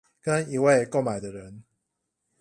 跟一位購買的人